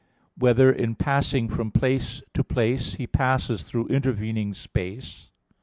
(2) Whether in passing from place to place he passes through intervening space?